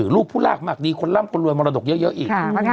ลูกผู้ลากมากดีคนร่ำคนรวยมรดกเยอะอีก